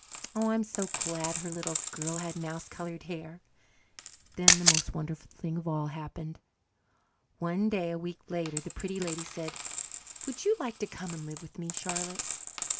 Oh, I'm so glad her little girl had mouse coloured hair. Then the most wonderful thing of all happened. One day a week later the Pretty Lady said, "Would you like to come and live with me, Charlotte?"